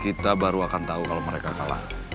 kita baru akan tahu kalau mereka kalah